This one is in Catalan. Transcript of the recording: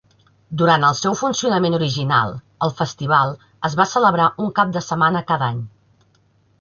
Durant el seu funcionament original, el festival es va celebrar un cap de setmana cada any.